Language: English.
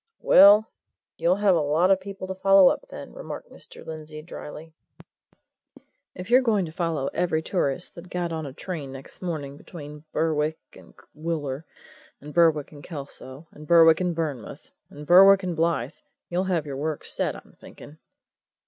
"Well you'll have a lot of people to follow up, then," remarked Mr. Lindsey drily. "If you're going to follow every tourist that got on a train next morning between Berwick and Wooler, and Berwick and Kelso, and Berwick and Burnmouth, and Berwick and Blyth, you'll have your work set, I'm thinking!"